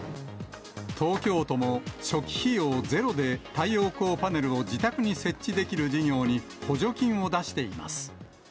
東京都も初期費用ゼロで太陽光パネルを自宅に設置できる事業に補助金を出しています。